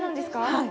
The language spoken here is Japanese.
はい。